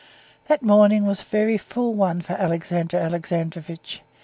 That morning was a very full one for Alexey Alexandrovitch.